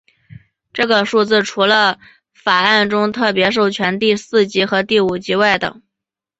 这个数字是除了法案中特别授权的第四级和第五级外的。